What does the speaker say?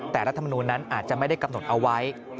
แต่รัฐมนูลนั้นอาจจะไม่ได้กำหนดเอาไว้